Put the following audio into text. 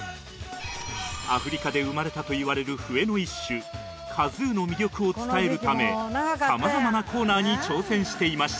アフリカで生まれたといわれる笛の一種カズーの魅力を伝えるためさまざまなコーナーに挑戦していました